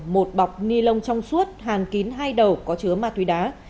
một bọc ni lông trong suốt hàn kín hai đầu có chứa ma túy đá